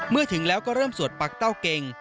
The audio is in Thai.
ถึงแล้วก็เริ่มสวดปักเต้าเก่ง